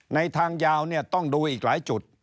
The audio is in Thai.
ในทางยาวต้องดูอีกหลายจุด